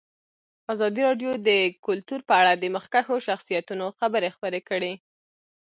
ازادي راډیو د کلتور په اړه د مخکښو شخصیتونو خبرې خپرې کړي.